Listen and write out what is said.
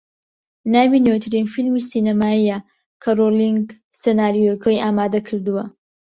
ناوی نوێترین فیلمی سینەماییە کە رۆلینگ سیناریۆکەی ئامادەکردووە